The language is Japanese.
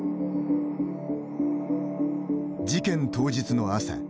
事件当日の朝。